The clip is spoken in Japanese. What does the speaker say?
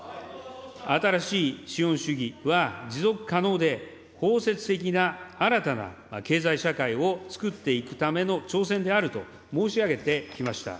新しい資本主義は、持続可能で包摂的な新たな経済社会を創っていくための挑戦であると申し上げてきました。